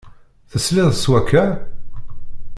Tesliḍ s wakka?